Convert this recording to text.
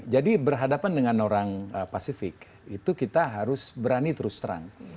jadi berhadapan dengan orang pasifik itu kita harus berani terus terang